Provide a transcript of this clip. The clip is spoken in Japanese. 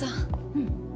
うん。